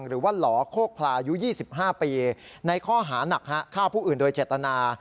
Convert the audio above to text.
หรือว่าหล่อโคกพลายุ๒๕ปีในข้อหานักฆ่าผู้อื่นโดยเจตนา